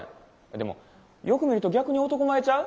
でもよく見ると逆に男前ちゃう？